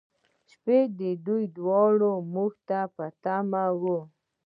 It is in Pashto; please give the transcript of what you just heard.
شپې، دوی دواړه موږ ته په تمه و.